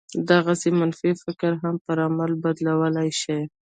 دغسې منفي فکر هم پر عمل بدلولای شي